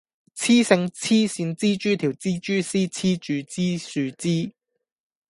雌性黐線蜘蛛條蜘蛛絲黐住枝樹枝